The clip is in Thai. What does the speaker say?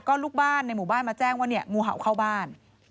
ก็ลูกบ้านบ้านมาแจ้งว่ามูเห่าเข้าบ้าน